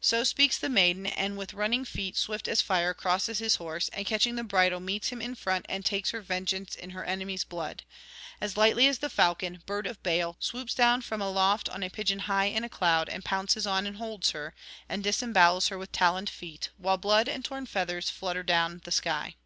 So speaks the maiden, and with running feet swift as fire crosses his horse, and catching the bridle, meets him in front and takes her vengeance in her enemy's blood: as lightly as the falcon, bird of bale, swoops down from aloft on a pigeon high in a cloud, and pounces on and holds her, and disembowels her with taloned feet, while blood and torn feathers flutter down the sky.